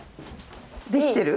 できてる？